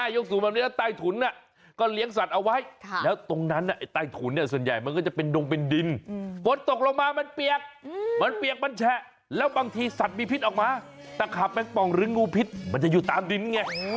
ยกสูงแบบนี้แล้วใต้ถุนก็เลี้ยงสัตว์เอาไว้แล้วตรงนั้นไอ้ใต้ถุนเนี่ยส่วนใหญ่มันก็จะเป็นดงเป็นดินฝนตกลงมามันเปียกมันเปียกมันแฉะแล้วบางทีสัตว์มีพิษออกมาตะขาบแมงป่องหรืองูพิษมันจะอยู่ตามดินไง